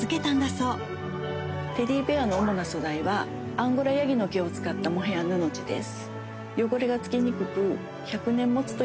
そうテディベアの主な素材はアンゴラヤギの毛を使ったモヘア布地です